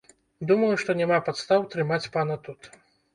Думаю, што няма падстаў трымаць пана тут.